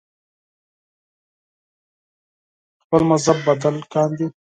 خپل مذهب بدل کاندي